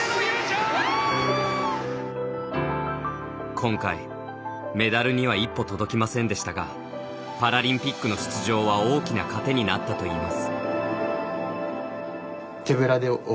今回メダルには一歩届きませんでしたがパラリンピックの出場は大きな糧になったといいます。